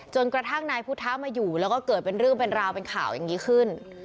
จนกระทั่งนายพุทธะมาอยู่แล้วก็เกิดเป็นเรื่องเป็นราวเป็นข่าวอย่างนี้ขึ้น